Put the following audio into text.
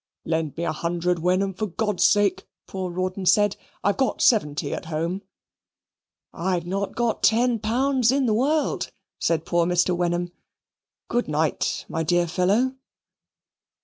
"Lend me a hundred, Wenham, for God's sake," poor Rawdon said "I've got seventy at home." "I've not got ten pounds in the world," said poor Mr. Wenham "Good night, my dear fellow."